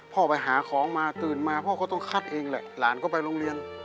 พ่อไปหาของมาตื่นมาพ่อก็ต้องคัดเองแหละหลานก็ไปโรงเรียน